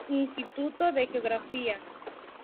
Instituto de Geografía.